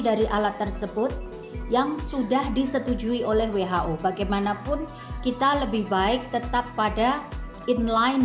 dari alat tersebut yang sudah disetujui oleh who bagaimanapun kita lebih baik tetap pada inline dengan alat alat yang sudah disetujui oleh who bagaimanapun kita lebih baik tetap pada inline dengan alat alat yang sudah diperhatikan